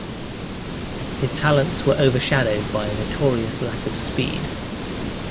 His talents were overshadowed by a notorious lack of speed.